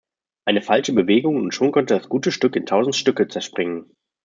Eine falsche Bewegung, und schon könnte das gute Stück in tausend Stücke zerspringen.